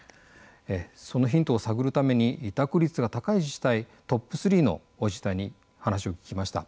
そのヒントを探るために委託率が高い自治体トップ３の自治体に話を聞きました。